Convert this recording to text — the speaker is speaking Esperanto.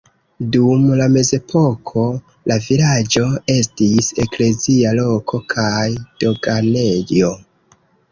Dum la mezepoko la vilaĝo estis eklezia loko kaj doganejo.